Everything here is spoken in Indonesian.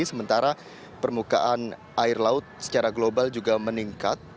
sementara permukaan air laut secara global juga meningkat